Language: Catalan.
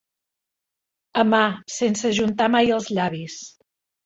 Amar sense ajuntar mai els llavis.